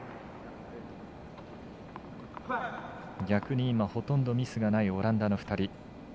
逆に今、ほとんどミスのないオランダの２人。